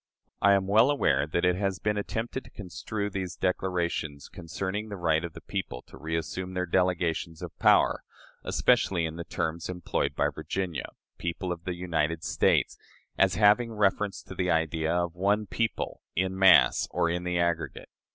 I am well aware that it has been attempted to construe these declarations concerning the right of the people to reassume their delegations of power especially in the terms employed by Virginia, "people of the United States" as having reference to the idea of one people, in mass, or "in the aggregate."